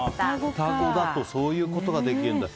双子だとそういうことができるんだ。